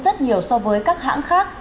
rất nhiều so với các hãng khác